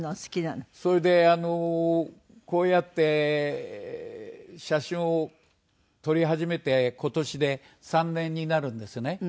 それでこうやって写真を撮り始めて今年で３年になるんですね。